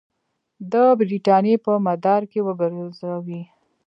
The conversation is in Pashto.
د برټانیې په مدار کې وګرځوي.